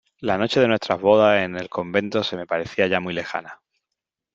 la noche de nuestras bodas en el convento se me aparecía ya muy lejana ,